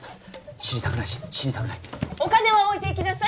知りたくないし死にたくないお金は置いていきなさい